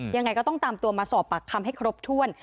ยังไงก็ต้องตามตัวมาสอบปากคำให้ครบถ้วน